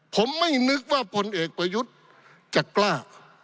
ผมไม่นึกว่าพลเอกประยุทธ์จะกล้า